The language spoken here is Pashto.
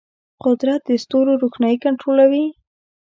قدرت د ستورو روښنايي کنټرولوي.